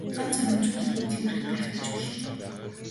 Ганц хором ч болтугай тэврэх байх гэж хүлээв.